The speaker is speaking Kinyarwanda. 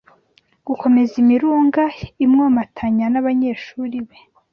gukomeza imirunga imwomatanya n’abanyeshuri be